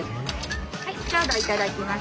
はいちょうど頂きます。